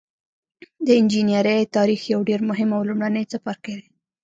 د انجنیری تاریخ یو ډیر مهم او لومړنی څپرکی دی.